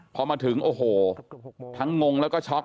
พอมาถึงโอ้โหทั้งงงแล้วก็ช็อก